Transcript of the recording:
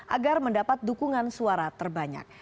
agar mendapat dukungan suara terbanyak